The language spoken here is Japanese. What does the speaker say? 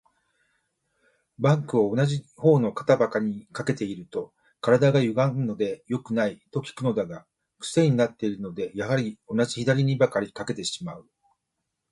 バッグを同じ方の肩ばかりに掛けていると、体がゆがむので良くない、と聞くのだが、クセになっているので、やはり同じ左にばかり掛けてしまう。